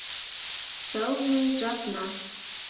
Сылне жапна